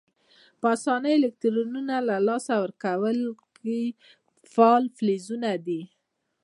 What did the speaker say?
په آساني الکترونونه له لاسه ورکونکي فعال فلزونه دي.